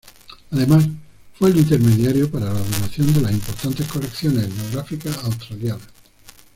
Además, fue el intermediario para la donación de las importantes colecciones etnográficas australianas.